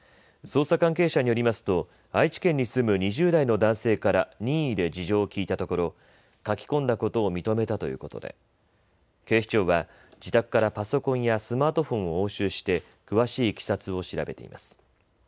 捜査関係者によりますと愛知県に住む２０代の男性から任意で事情を聴いたところ書き込んだことを認めたということで警視庁は自宅からパソコンやスマートフォンを押収して詳しいいきさつを調べています。